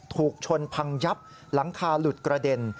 ถูกชนพังยับหลังคาหลุดกระเด็น